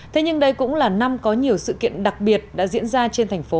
thế nhưng đây cũng là năm có nhiều sự kiện đặc biệt đã diễn ra trên thành phố